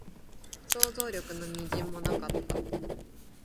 想像力の微塵もなかった